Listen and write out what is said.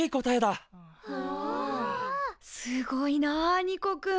すごいなニコくん。